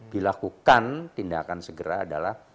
dilakukan tindakan segera adalah